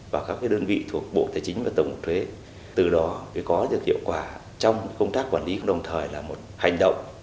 và các đơn vị thuộc bộ thế chính và tổng hợp thuế từ đó mới có được hiệu quả trong công tác quản lý đồng thời là một hành động